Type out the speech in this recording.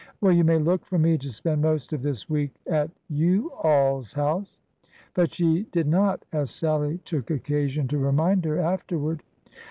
" Well, you may look for me to spend most of this week at yo' all's house." But she did not, as Sallie took occasion to remind her afterward.